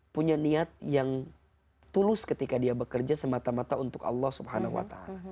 punya niat yang tulus ketika dia bekerja semata mata untuk allah swt